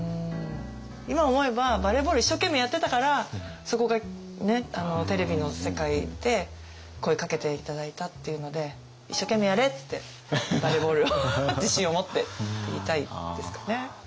今思えばバレーボール一生懸命やってたからそこがねテレビの世界で声かけて頂いたっていうので「一生懸命やれ！」って「バレーボールを自信を持って」って言いたいですかね。